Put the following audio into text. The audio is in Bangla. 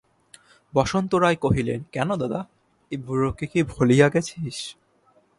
বসন্ত রায় কহিলেন, কেন দাদা, এ বুড়াকে কি ভুলিয়া গেছিস।